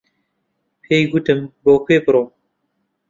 پێی گوتم بۆ کوێ بڕۆم.